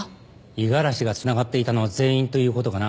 五十嵐がつながっていたのは全員ということかな。